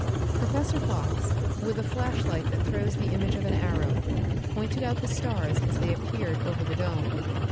Professor Fox, with a flashlight that throws the image of an arrow, pointed out the stars as they appeared over the dome.